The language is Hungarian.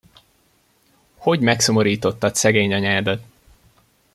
Hogy megszomorítottad szegény anyádat!